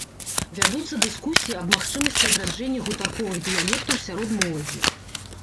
Вядуцца дыскусіі аб магчымасці адраджэння гутарковых дыялектаў сярод моладзі.